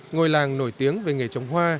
ngôi làng nổi tiếng về nghề chống hoa